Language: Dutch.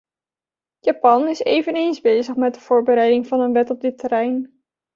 Japan is eveneens bezig met de voorbereiding van een wet op dit terrein.